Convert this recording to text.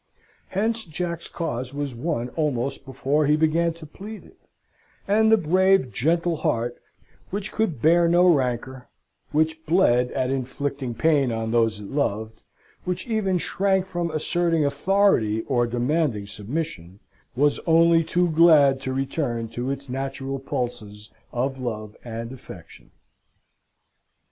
Hence Jack's cause was won almost before he began to plead it; and the brave, gentle heart, which could bear no rancour, which bled at inflicting pain on those it loved, which even shrank from asserting authority or demanding submission, was only too glad to return to its natural pulses of love and affection.